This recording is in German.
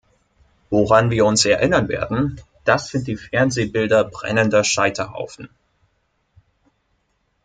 Woran wir uns erinnern werden, das sind die Fernsehbilder brennender Scheiterhaufen.